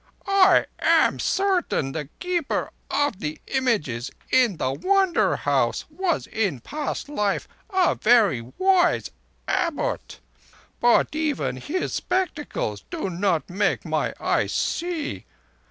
"I am certain the Keeper of the Images in the Wonder House was in past life a very wise Abbot. But even his spectacles do not make my eyes see.